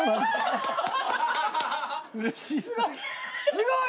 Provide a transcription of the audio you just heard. すごい！